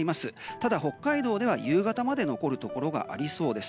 ただ、北海道では夕方まで残るところがありそうです。